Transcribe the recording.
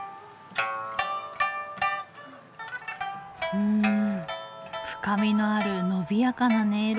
うん深みのある伸びやかな音色。